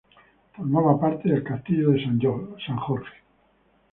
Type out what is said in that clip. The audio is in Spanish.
Formaba parte del Castillo de San Jorge.